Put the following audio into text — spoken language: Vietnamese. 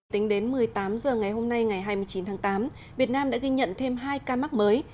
tính đến một mươi tám h ngày hôm nay ngày hai mươi chín tháng tám việt nam đã ghi nhận thêm hai ca mắc mới